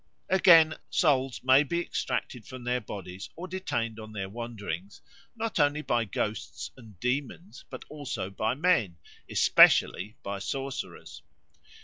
Again, souls may be extracted from their bodies or detained on their wanderings not only by ghosts and demons but also by men, especially by sorcerers.